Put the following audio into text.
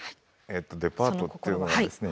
デパートっていうのはですね